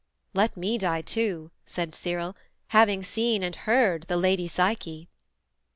_' 'Let me die too,' said Cyril, 'having seen And heard the Lady Psyche.'